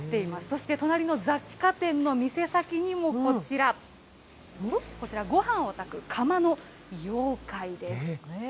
そして隣の雑貨店の店先にもこちら、ごはんを炊く釜の妖怪です。